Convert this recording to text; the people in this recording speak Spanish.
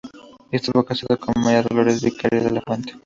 Estuvo casado con María Dolores Vicario de la Fuente.